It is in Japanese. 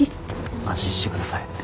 安心して下さい。